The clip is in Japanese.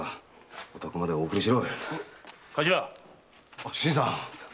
あ新さん。